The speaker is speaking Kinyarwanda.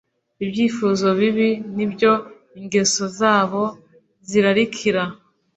ibyifuzo bibi, n’ibyo ingeso zabo zirarikira,